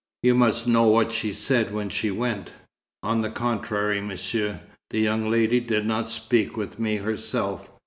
"You must know what she said when she went." "On the contrary, Monsieur. The young lady did not speak with me herself.